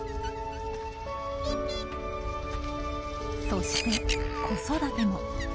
そして子育ても。